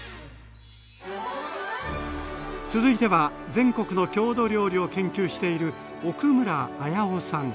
続いては全国の郷土料理を研究している奥村彪生さん。